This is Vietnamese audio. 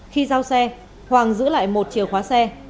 khi giao xe hoàng giữ lại một chìa khóa xe